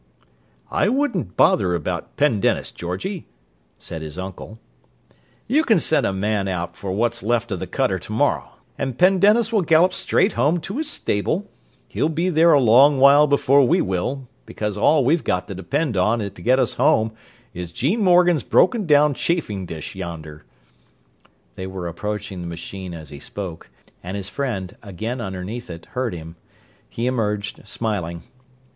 "I wouldn't bother about Pendennis, Georgie," said his uncle. "You can send a man out for what's left of the cutter tomorrow, and Pendennis will gallop straight home to his stable: he'll be there a long while before we will, because all we've got to depend on to get us home is Gene Morgan's broken down chafing dish yonder." They were approaching the machine as he spoke, and his friend, again underneath it, heard him. He emerged, smiling.